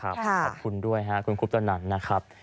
ขอบคุณด้วยฮะคุณครูปตัวหนันนะครับ